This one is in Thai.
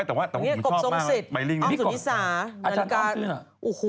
เออแต่ว่าผมชอบมากใบลิ้งนี่ก็อันนี้กรบทรงสิทธิ์อ้อมสุนิสานาฬิกา